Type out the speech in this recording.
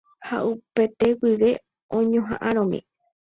Ha upete guive oñohaʼãromi.